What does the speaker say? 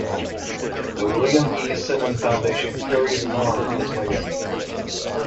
The William E. Simon Foundation carries on this legacy.